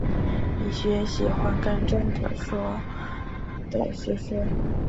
李寻也喜欢甘忠可的学说。